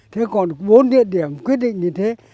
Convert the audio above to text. thế còn bốn địa điểm quyết định như thế